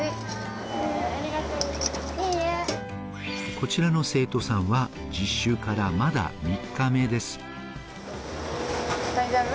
こちらの生徒さんは実習からまだ３日目です。